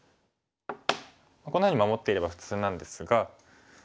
こんなふうに守っていれば普通なんですが。